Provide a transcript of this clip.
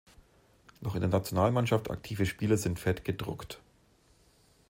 Noch in der Nationalmannschaft aktive Spieler sind fett gedruckt.